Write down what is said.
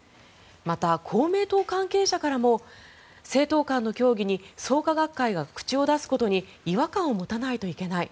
また、公明党関係者からも政党間の協議に創価学会が口を出すことに違和感を持たないといけない。